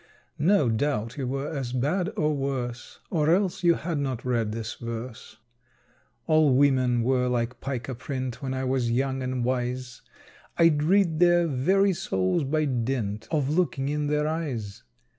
No doubt you were as bad, or worse, Or else you had not read this verse. [Illustration: "Me!" Page 18.] All women were like pica print When I was young and wise; I'd read their very souls by dint Of looking in their eyes.